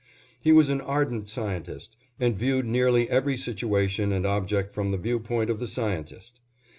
He was an ardent scientist, and viewed nearly every situation and object from the view point of the scientist.